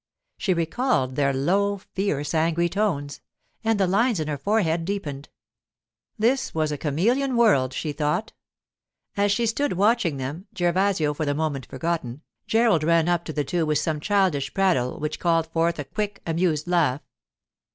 She recalled their low, fierce, angry tones; and the lines in her forehead deepened. This was a chameleon world, she thought. As she stood watching them, Gervasio for the moment forgotten, Gerald ran up to the two with some childish prattle which called forth a quick, amused laugh.